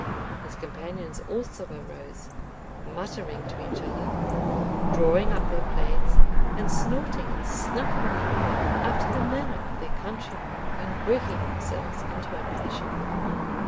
His companions also arose, muttering to each other, drawing up their plaids, and snorting and snuffing the air after the mariner of their countrymen when working themselves into a passion.